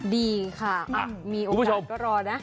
ดีค่ะมีโอกาสก็รอนะ